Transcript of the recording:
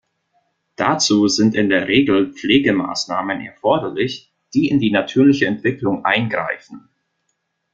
Dazu sind in der Regel Pflegemaßnahmen erforderlich, die in die natürliche Entwicklung eingreifen.